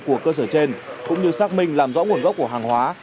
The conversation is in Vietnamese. của cơ sở trên cũng như xác minh làm rõ nguồn gốc của hàng hóa